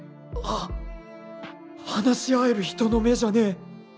は話し合える人の目じゃねえ